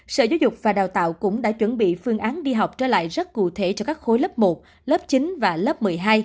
sở giáo dục và đào tạo cũng đã chuẩn bị phương án đi học trở lại rất cụ thể cho các khối lớp một lớp chín và lớp một mươi hai